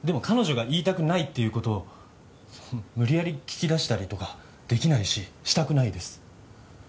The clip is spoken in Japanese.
彼女が言いたくないっていうことを無理やり聞き出したりとかできないししたくないです